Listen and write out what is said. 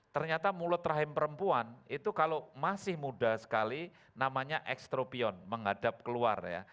ternyata mulut rahim perempuan itu kalau masih muda sekali namanya ekstropion menghadap keluar ya